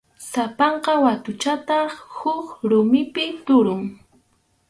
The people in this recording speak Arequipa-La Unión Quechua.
Sapanka watuchataq huk rumipi tukun.